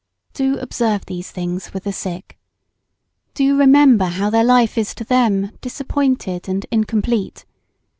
Do observe these things with the sick. Do remember how their life is to them disappointed and incomplete.